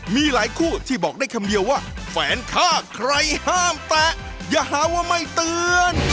มีหลายคู่ที่บอกได้คำเดียวว่าแฝนฆ่าใครห้ามแตะอย่าหาว่าไม่เตือน